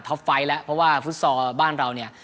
ไฟล์แล้วเพราะว่าฟุตซอลบ้านเราเนี่ย